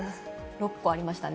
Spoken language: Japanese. ６個ありましたね。